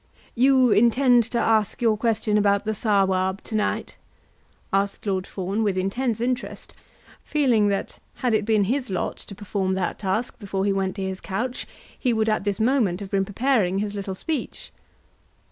"You intend to ask your question about the Sawab to night?" asked Lord Fawn, with intense interest, feeling that, had it been his lot to perform that task before he went to his couch, he would at this moment have been preparing his little speech.